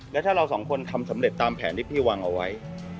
แล้วถ้าเราสองคนทำสำเร็จตามแผนที่พี่วางเอาไว้